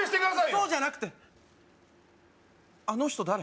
そうじゃなくてあの人誰？